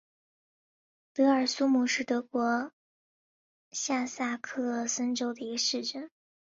德尔苏姆是德国下萨克森州的一个市镇。